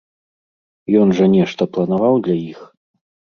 Ён жа нешта планаваў для іх?